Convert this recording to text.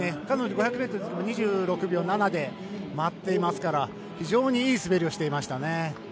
彼女は５００ｍの時も２６秒７で回っていますから非常にいい滑りをしていましたね。